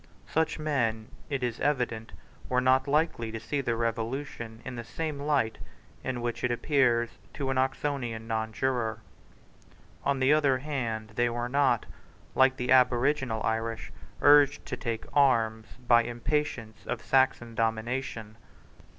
Such men, it is evident, were not likely to see the Revolution in the light in which it appeared to an Oxonian nonjuror. On the other hand they were not, like the aboriginal Irish, urged to take arms by impatience of Saxon domination.